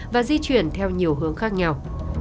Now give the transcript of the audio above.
và di chuyển theo nhiều hướng khác nhau